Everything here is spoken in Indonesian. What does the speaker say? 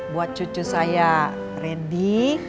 buat cucu saya randy